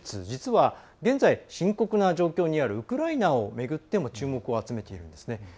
実は現在、深刻な状況にあるウクライナを巡っても注目を集めているんですね。